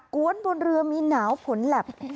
กุ้นบนเรือมีหนาวพลลับ